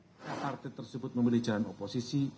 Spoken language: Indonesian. pertama partai tersebut memiliki jalan oposisi